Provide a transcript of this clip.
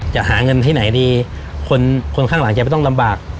จะหาเงินที่ไหนดีคนคนข้างหลังแกไม่ต้องลำบาก